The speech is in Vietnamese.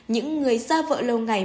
những người xa vợ lâu ngày